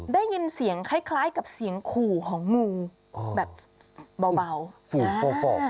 ได้ยินเสียงคล้ายคล้ายกับเสียงขู่ของงูอ๋อแบบเบาเบาฝูกฟอกฟอก